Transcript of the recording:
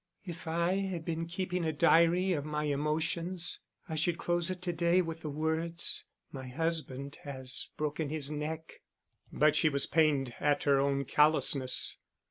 "If I had been keeping a diary of my emotions, I should close it to day, with the words, 'My husband has broken his neck.'" But she was pained at her own callousness.